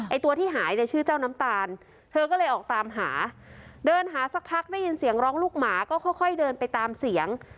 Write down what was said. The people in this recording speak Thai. ตัวที่หายเนี่ยชื่อเจ้าน้ำตาลเธอก็เลยออกตามหาเดินหาสักพักได้ยินเสียงร้องลูกหมาก็ค่อยเดินไปตามเสียง